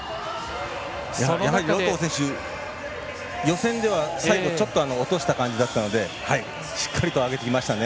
やはり盧冬選手予選では最後ちょっと落とした感じだったのでしっかりと上げてきましたね。